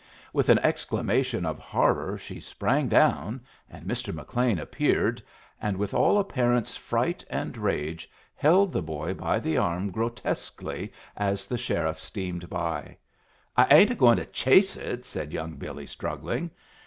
With an exclamation of horror she sprang down, and Mr. McLean appeared, and, with all a parent's fright and rage, held the boy by the arm grotesquely as the sheriff steamed by. "I ain't a going to chase it," said young Billy, struggling.